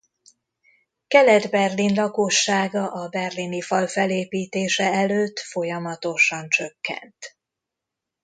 Kelet-Berlin lakossága a berlini fal felépítése előtt folyamatosan csökkent.